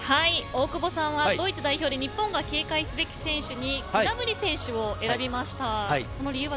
大久保さんはドイツ代表で日本が警戒すべき選手にグナブリ選手を選びました。